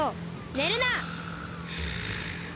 ねるな！